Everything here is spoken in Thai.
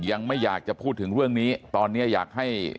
ยังไม่อยากจะพูดถึงเรื่องนี้ตอนนี้อยากให้